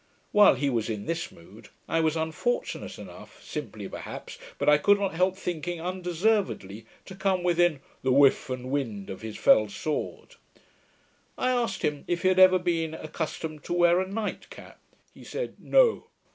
While he was in this mood, I was unfortunate enough, simply perhaps, but, I could not help thinking, undeservedly, to come within 'the whiff and wind of his fell sword'. I asked him, if he had ever been accustomed to wear a night cap. He said 'No.'